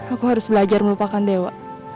aku harus belajar melupakan dewa